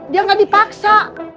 dia enggak dipaksa